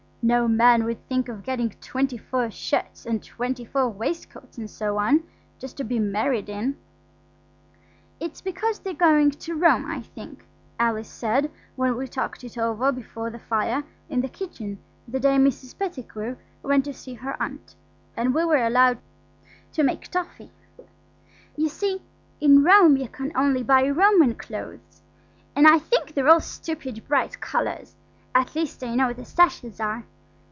No man would think of getting twenty four shirts and twenty four waistcoats, and so on, just to be married in. "It's because they're going to Rome, I think," Alice said, when we talked it over before the fire in the kitchen the day Mrs. Pettigrew went to see her aunt, and we were allowed to make toffee. "You see, in Rome you can only buy Roman clothes, and I think they're all stupid bright colours–at least I know the sashes are.